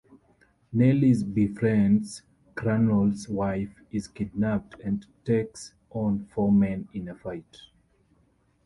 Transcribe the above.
Nellie befriends Cranlowe's wife, is kidnapped, and takes on four men in a fight.